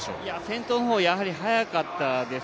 先頭の方、やはり速かったです。